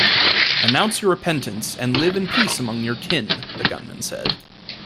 Announce your repentance and live in peace among your kin, the gunman said.